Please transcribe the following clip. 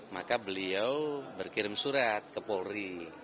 maka beliau berkirim surat ke polri